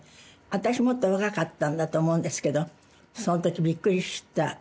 私もっと若かったんだと思うんですけどその時びっくりした覚えがあります。